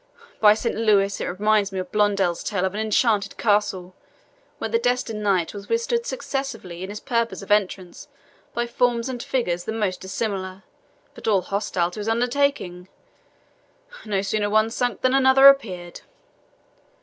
By Saint Louis, it reminds me of Blondel's tale of an enchanted castle, where the destined knight was withstood successively in his purpose of entrance by forms and figures the most dissimilar, but all hostile to his undertaking! No sooner one sunk than another appeared!